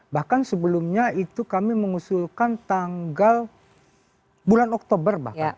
bahkan sebelumnya itu kami mengusulkan tanggal bulan oktober bahkan